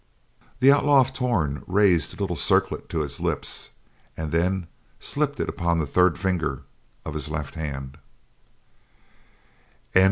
The Outlaw of Torn raised the little circlet to his lips, and then slipped it upon the third finger of his left hand.